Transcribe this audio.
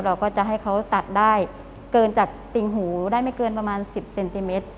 เราก็จะให้เขาตัดได้เกินจากติ่งหูได้ไม่เกินประมาณ๑๐เซนติเมตร